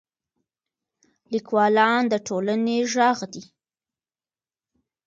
لیکوالان د ټولنې ږغ دي.